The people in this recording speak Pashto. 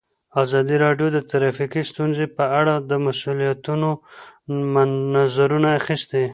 ازادي راډیو د ټرافیکي ستونزې په اړه د مسؤلینو نظرونه اخیستي.